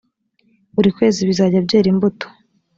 buri kwezi bizajya byera imbuto